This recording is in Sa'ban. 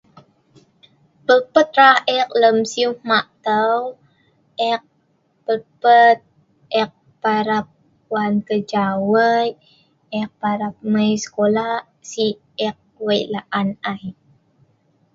Pelpat rah ek lem siu mah' tau, ek pelpat ek parap wan keja wei' ek parap mai sekolah si ek wei' la'an ai.